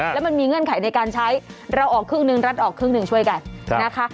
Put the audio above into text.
แล้วมันมีเงื่อนไขในการใช้เราออกครึ่งหนึ่งรัฐออกครึ่งหนึ่งช่วยกันนะคะ